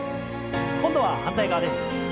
今度は反対側です。